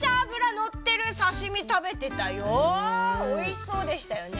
だっておいしそうでしたよね。